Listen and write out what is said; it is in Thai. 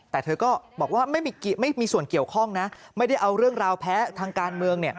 แต่เธอก็บอกว่าไม่มีส่วนเกี่ยวข้องนะไม่ได้เอาเรื่องราวแพ้ทางการเมือง